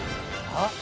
あっ！